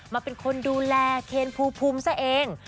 มาเป็นคนดูแลเคนภูมิซะเอง